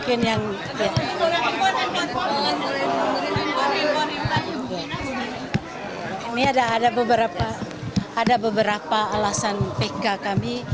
ini ada beberapa alasan pk kami